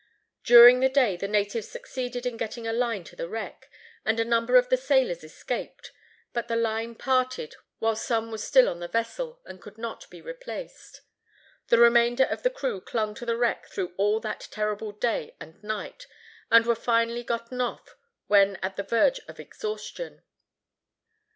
During the day the natives succeeded in getting a line to the wreck, and a number of the sailors escaped. But the line parted while some were still on the vessel, and could not be replaced. The remainder of the crew clung to the wreck through all that terrible day and night, and were finally gotten off when at the verge of exhaustion.